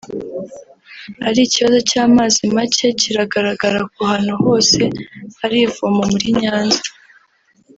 ari ikibazo cy’amazi macye kigaragara ku hantu hose hari ivomo muri Nyanza